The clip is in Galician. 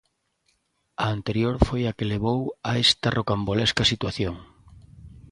A anterior foi a que levou a esta rocambolesca situación.